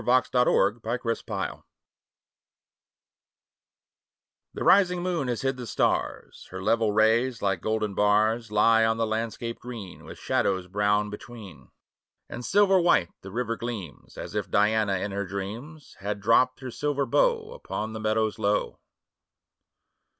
20 48 ENDMYION ENDYMION The rising moon has hid the stars ; Her level rays, like golden bars, Lie on the landscape green, With shadows brown between. 5 And silver white the river gleams, As if Diana, in her dreams, • Had dropt her silver bow Upon the meadows low.